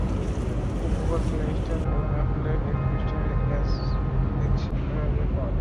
Google Play Store ও অ্যাপলের app স্টোরে এজ ব্রাউজার পাওয়া যাবে।